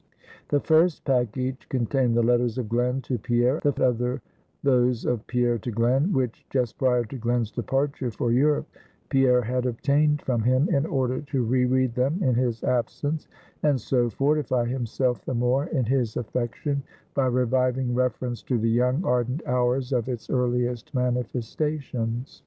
The first package contained the letters of Glen to Pierre, the other those of Pierre to Glen, which, just prior to Glen's departure for Europe, Pierre had obtained from him, in order to re read them in his absence, and so fortify himself the more in his affection, by reviving reference to the young, ardent hours of its earliest manifestations.